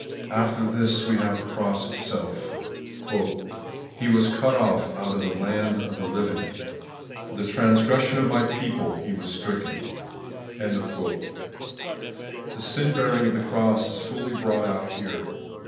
After this we have the cross itself: ' He was cut off out of the land of the living ; For the transgression of my people was He stricken.' The sin bearing of the cross is fully brought out here.